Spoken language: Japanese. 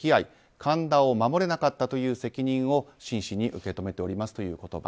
神田を守れなかったという責任を真摯に受け止めておりますという言葉。